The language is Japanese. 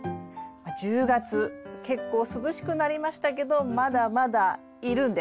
１０月結構涼しくなりましたけどまだまだいるんです。